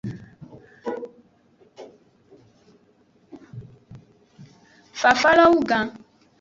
Fafalo wugan.